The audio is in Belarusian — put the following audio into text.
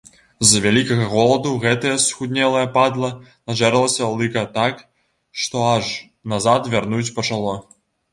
З вялікага голаду гэтая схуднелая падла нажэрлася лыка так, што аж назад вярнуць пачало.